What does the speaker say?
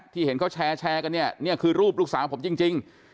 เห็นเขาแชร์กันเนี่ยนี่คือรูปลูกสาวผมจริง